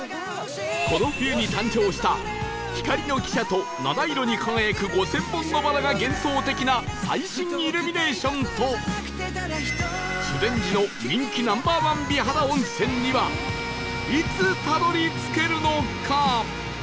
この冬に誕生した光の汽車と七色に輝く５０００本のバラが幻想的な最新イルミネーションと修善寺の人気 Ｎｏ．１ 美肌温泉にはいつたどり着けるのか？